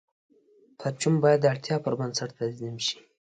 پرچون باید د اړتیا پر بنسټ تنظیم شي.